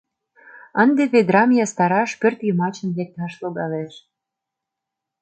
Ынде ведрам ястараш пӧртйымачын лекташ логалеш.